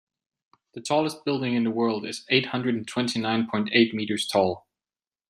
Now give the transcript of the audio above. The tallest building in the world is eight hundred twenty nine point eight meters tall.